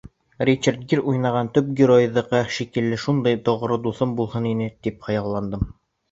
Ричард Гир уйнаған төп геройҙыҡы шикелле шундай тоғро дуҫым булһын ине, тип хыялландым.